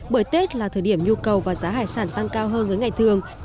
bởi tết là thời điểm nhu cầu và giá hải sản tăng cao hơn với ngày thường